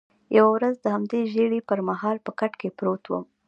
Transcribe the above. یوه ورځ د همدې ژېړي پر مهال په کټ کې پروت وم.